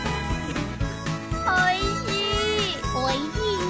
おいしい！